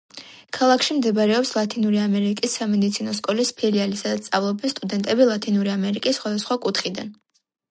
ქალაქში მდებარეობს ლათინური ამერიკის სამედიცინო სკოლის ფილიალი, სადაც სწავლობენ სტუდენტები ლათინური ამერიკის სხვადასხვა კუთხიდან.